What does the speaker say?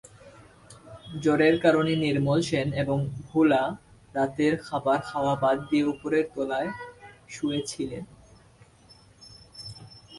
জ্বরের কারণে নির্মল সেন এবং ভোলা রাতের খাবার খাওয়া বাদ দিয়ে উপরের তলায় শুয়ে ছিলেন।